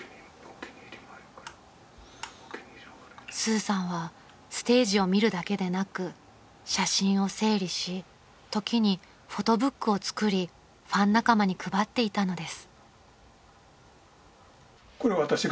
［スーさんはステージを見るだけでなく写真を整理し時にフォトブックを作りファン仲間に配っていたのです］